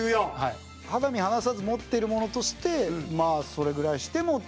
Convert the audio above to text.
肌身離さず持ってるものとしてまあそれぐらいしてもっていう。